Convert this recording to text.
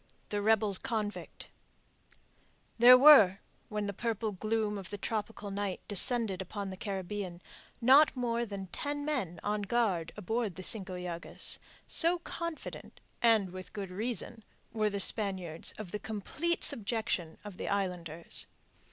THE REBELS CONVICT There were, when the purple gloom of the tropical night descended upon the Caribbean, not more than ten men on guard aboard the Cinco Llagas, so confident and with good reason were the Spaniards of the complete subjection of the islanders.